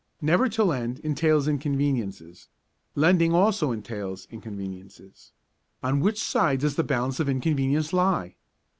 Never to lend entails inconveniences; lending also entails inconveniences; on which side does the balance of inconvenience lie?